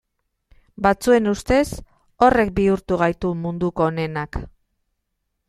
Batzuen ustez horrek bihurtu gaitu munduko onenak.